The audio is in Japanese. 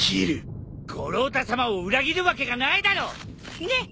五郎太さまを裏切るわけがないだろう！ねえ？